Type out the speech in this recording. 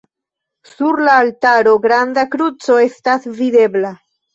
Super la altaro granda kruco estas videbla.